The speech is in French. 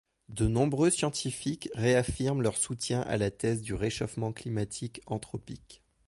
De nombreux scientifiques réaffirment leur soutien à la thèse du réchauffement climatique anthropique.